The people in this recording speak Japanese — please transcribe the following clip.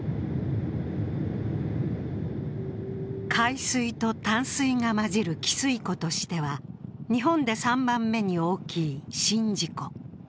海水と淡水が混じる汽水湖としては日本で３番目に大きい宍道湖。